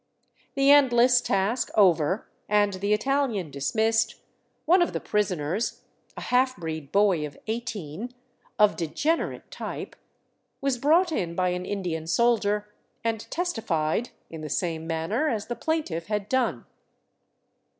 The endless task over and the Italian dismissed, one of the prisoners, a half breed boy of eighteen, of degenerate type, was brought in by an Indian soldier and " testified " in the same manner as the plain tiff had done.